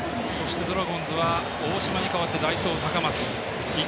ドラゴンズは大島に代わって代走、高松。